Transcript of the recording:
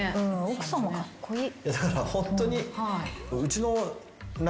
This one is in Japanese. だからホントに。